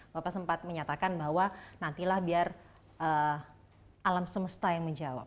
bapak sempat menyatakan bahwa nantilah biar alam semesta yang menjawab